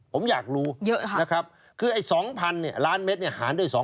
ผมอยากรู้นะครับคือไอ้๒๐๐๐นี่ล้านเม็ดหารด้วย๒๐๐๐